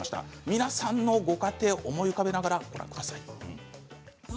皆さんのご家庭を思い浮かべながらご覧ください。